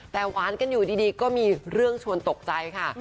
แต่หวานกันอยู่ดีก็มีเรื่องชวนตกใจค่ะ